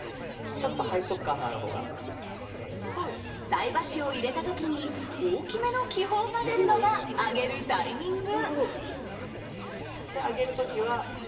菜箸を入れた時に大きめの気泡が出るのが揚げるタイミング。